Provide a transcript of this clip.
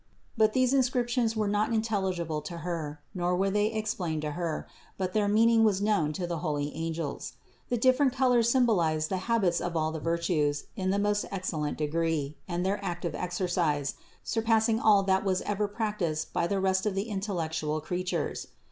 But these inscriptions were not intelligible to Her, nor were they explained to Her, but their meaning was known to the holy angels. The differ ent colors symbolized the habits of all the virtues in the most excellent degree and their active exercise, surpassing all that was ever practiced by the rest of the intellectual creatures.